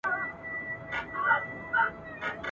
که پر مځکه ګرځېدل که په هوا وه ..